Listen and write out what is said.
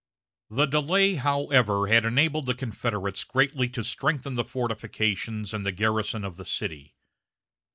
The delay, however, had enabled the Confederates greatly to strengthen the fortifications and the garrison of the city.